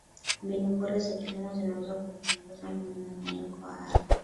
Mbinu bora za kilimo zinaweza kupunguza mmomonyoko wa ardhi